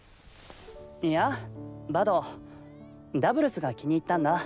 いやバドダブルスが気に入ったんだ。